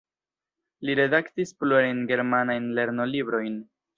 Li redaktis plurajn germanajn lernolibrojn.